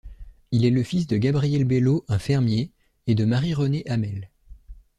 Il est le fils de Gabriel Belleau, un fermier, et de Marie-Renée Hamel.